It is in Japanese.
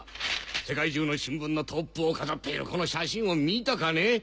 世界中の新聞のトップを飾っているこの写真を見たかね？